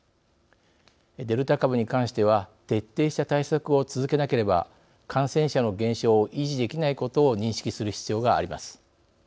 デルタ株に関しては徹底した対策を続けなければ感染者の減少を維持できないことを認識する必要があります。